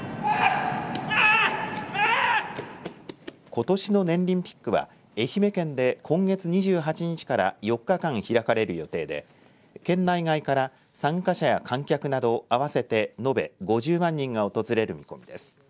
ことしのねんりんピックは愛媛県で今月２８日から４日間開かれる予定で県内外から参加者や観客など合わせて延べ５０万人が訪れる見込みです。